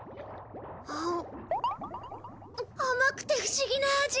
甘くて不思議な味。